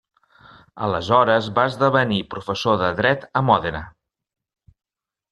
Aleshores va esdevenir professor de dret a Mòdena.